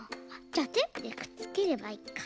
じゃテープでくっつければいいか。